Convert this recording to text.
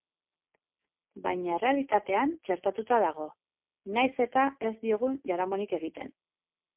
Baina errealitatean txertatua dago, nahiz eta ez diogun jaramonik egiten.